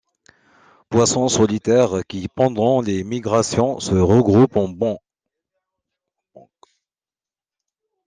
Poisson solitaire qui pendant les migrations se regroupe en banc.